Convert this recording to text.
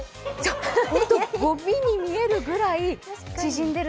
ごみに見えるくらい縮んでる。